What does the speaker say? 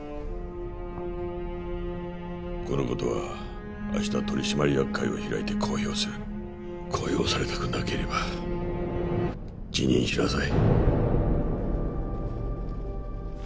このことは明日取締役会を開いて公表する公表されたくなければ辞任しなさい